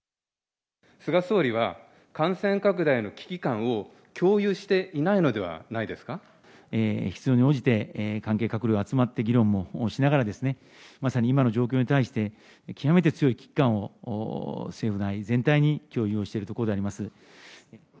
菅総理は、感染拡大の危機感を共有していないのではないですか。必要に応じて関係閣僚集まって、議論もしながらですね、まさに今の状況に対して、極めて強い危機感を政府内全体に共有をしているところであります。